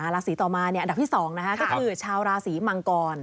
ราศีต่อมาอันดับที่๒ก็คือชาวราศีมังกร